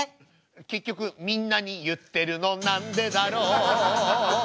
結局みんなに言ってるのなんでだろう